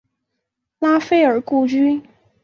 拉斐尔故居。